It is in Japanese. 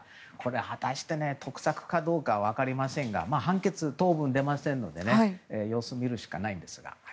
果たして得策かどうか分かりませんが判決は当分出ませんので様子を見るしかないですが。